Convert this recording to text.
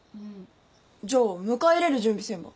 じゃあ迎え入れる準備せんば。